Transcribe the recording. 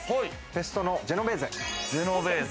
ペストのジェノベーゼ。